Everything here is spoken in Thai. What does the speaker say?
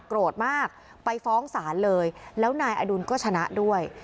โกรธมากไปฟ้องศาลเลยแล้วนายอดุลก็ชนะด้วย